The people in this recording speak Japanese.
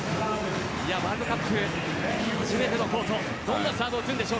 ワールドカップ初のコート。